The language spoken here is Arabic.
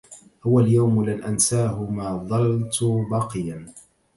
هو اليوم لن أنساه ما ظلت باقيا